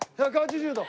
１８０度。